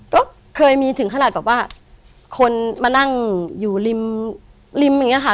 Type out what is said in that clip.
ก็เคยมีถึงขนาดแบบว่าคนมานั่งอยู่ริมริมอย่างนี้ค่ะ